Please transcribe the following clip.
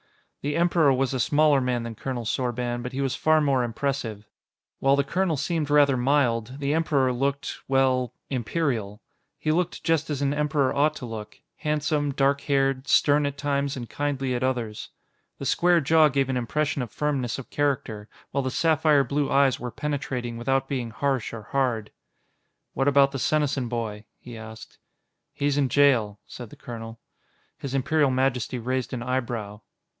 The Emperor was a smaller man than Colonel Sorban, but he was far more impressive. While the colonel seemed rather mild, the Emperor looked well, Imperial. He looked just as an Emperor ought to look handsome, dark haired, stern at times and kindly at others. The square jaw gave an impression of firmness of character, while the sapphire blue eyes were penetrating without being harsh or hard. "What about the Senesin boy?" he asked. "He's in jail," said the colonel. His Imperial Majesty raised an eyebrow.